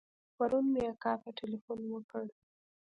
پرون مې اکا ته ټېلفون وکړ.